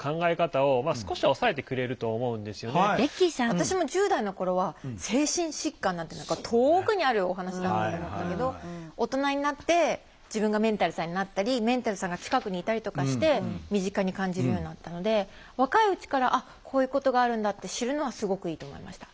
私も１０代の頃は「精神疾患」なんて何か遠くにあるお話だと思ったけど大人になって自分がメンタルさんになったりメンタルさんが近くにいたりとかして身近に感じるようになったので若いうちからあっこういうことがあるんだって知るのはすごくいいと思いました。